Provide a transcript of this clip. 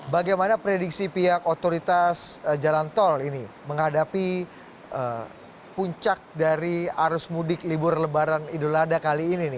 bagaimana prediksi pihak otoritas jalan tol ini menghadapi puncak dari arus mudik libur lebaran idul adha kali ini